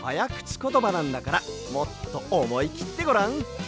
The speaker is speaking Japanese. ことばなんだからもっとおもいきってごらん。